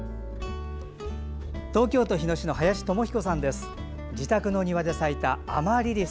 東京都日野市の林智彦さんです。